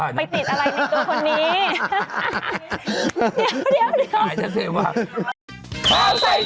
ไปติดอะไรในตัวคนนี้